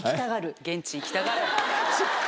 現地行きたがる。